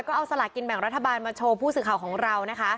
ก็เอาสลากินแบ่งรัฐบาลมาโชว์ผู้สื่อข่าวของเรานะคะ